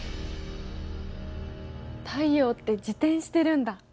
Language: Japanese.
太陽って自転してるんだ！